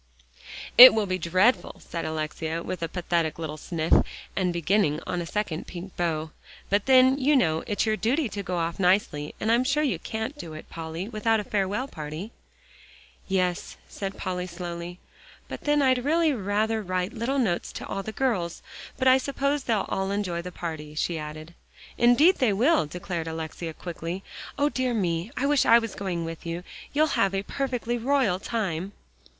"It will be dreadful," said Alexia, with a pathetic little sniff, and beginning on a second pink bow, "but then, you know, it's your duty to go off nicely, and I'm sure you can't do it, Polly, without a farewell party." "Yes," said Polly slowly, "but then I'd really rather write little notes to all the girls. But I suppose they'll all enjoy the party," she added. "Indeed they will," declared Alexia quickly. "O dear me, I wish I was going with you. You'll have a perfectly royal time.